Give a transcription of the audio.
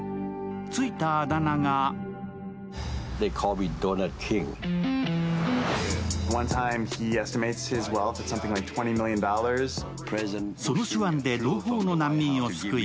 ついたあだ名がその手腕で同胞の難民を救い